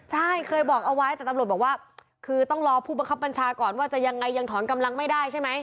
ใช่เคยบอกเอาไว้แต่ตำรวจบอกว่าคือต้องรอผู้บังคับบัญชาก่อนว่าจะยังไงยังถอนกำลังไม่ได้ใช่ไหม